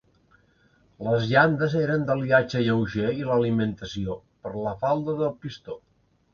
Les llandes eren d'aliatge lleuger i l'alimentació, per la falda del pistó.